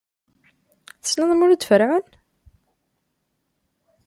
Tessneḍ Mulud Ferɛun?